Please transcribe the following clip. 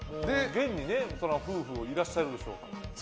現に夫婦がいらっしゃるでしょうから。